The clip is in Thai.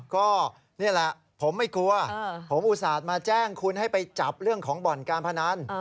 ก็นี่แหละผมไม่กลัวผมอุตส่าห์มาแจ้งคุณให้ไปจับเรื่องของบ่อนการพนัน